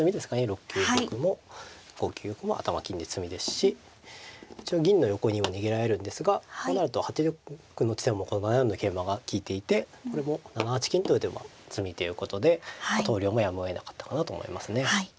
６九玉も５九玉も頭金で詰みですし一応銀の横にも逃げられるんですがこうなると８六の地点も７四の桂馬が利いていてこれも７八金と打てば詰みということで投了もやむをえなかったかなと思いますね。